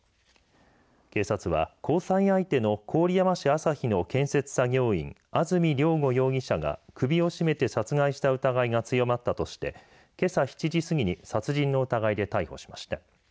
警察は、交際相手の郡山市朝日の建設作業員、安住亮吾容疑者が首を絞めて殺害した疑いが強まったとしてけさ７時過ぎに殺人の疑いで逮捕しました。